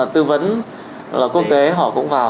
tư vấn quốc tế họ cũng vào